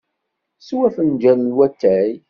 Sew afenǧal n watay.